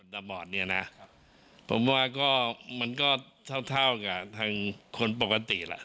ตำรวจเนี่ยนะผมว่าก็มันก็เท่ากับทางคนปกติแหละ